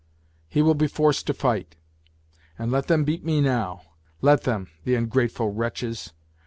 He will be forced to fight. And let them beat me now. Let them, the ungrateful wretches